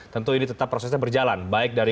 tentu ini tetap prosesnya berjalan baik dari